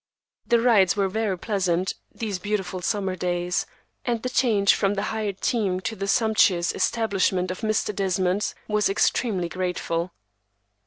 The rides were very pleasant, those beautiful summer days, and the change from a hired "team" to the sumptuous establishment of Mr. Desmond was extremely grateful.